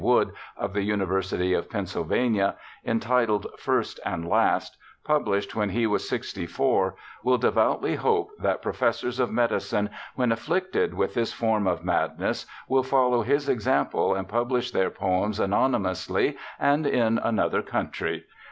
Wood, of the University of Pennsylvania, entitled First and Last, published when he was sixty four, will devoutly hope that professors of medicine, when afflicted with this form of madness, will follow his example and pubhsh their poems anonymously and in another country.